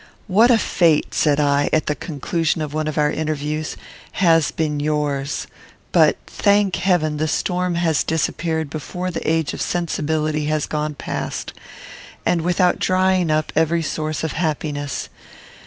"What a fate," said I, at the conclusion of one of our interviews, "has been yours! But, thank Heaven, the storm has disappeared before the age of sensibility has gone past, and without drying up every source of happiness.